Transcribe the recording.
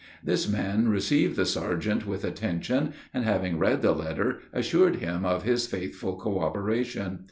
This man received the sergeant with attention, and having read the letter, assured him of his faithful cooperation.